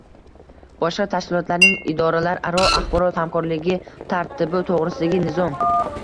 boshqa tashkilotlarning idoralararo axborot hamkorligi tartibi to‘g‘risidagi nizom.